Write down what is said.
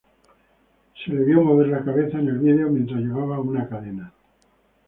Se lo vio mover la cabeza en el video mientras llevaba una cadena.